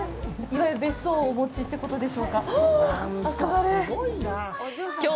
いわゆる、別荘をお持ちってことでしょうか。